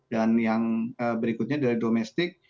dan yang berikutnya dari domestik